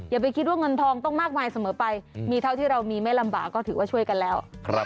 อย่าไปคิดว่าเงินทองต้องมากมายเสมอไปมีเท่าที่เรามีไม่ลำบากก็ถือว่าช่วยกันแล้ว